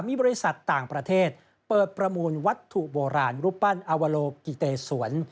มีบริษัทต่างประเทศเปิดประมูลวัตถุโบราณรูปปั้นอวโลกิเตสวน